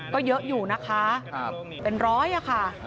ก็เยอะอยู่นะคะเป็นร้อยค่ะ